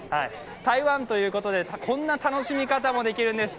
台湾ということで、こんな楽しみ方もできるんです。